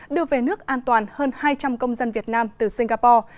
đưa về nước an toàn hơn hai trăm linh công dân việt nam từ singapore